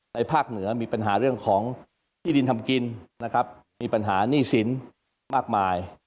ภาคเหนือมีปัญหาเรื่องของที่ดินทำกินนะครับมีปัญหาหนี้สินมากมาย